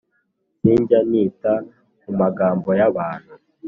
Sinjya nita kumagambo y’abantu